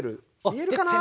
見えるかな。